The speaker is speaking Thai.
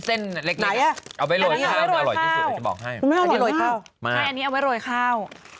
ใช่ป่ะ